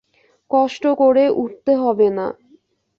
কষ্ট করে উঠতে হবে না।